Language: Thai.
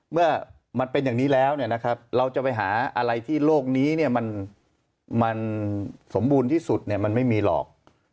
เมื่อมันเป็นอย่างนี้แล้วเราจะไปหาอะไรที่โลกนี้มันสมบูรณ์ที่สุดมันไม่มีหรอก